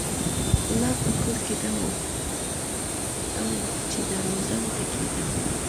پلار په کور کې نه و چې دروازه وټکېده